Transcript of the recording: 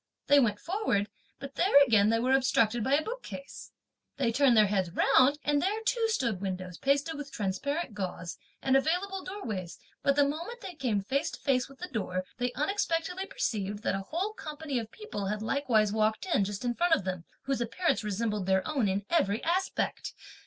They went forward, but there again they were obstructed by a bookcase. They turned their heads round, and there too stood windows pasted with transparent gauze and available door ways: but the moment they came face to face with the door, they unexpectedly perceived that a whole company of people had likewise walked in, just in front of them, whose appearance resembled their own in every respect.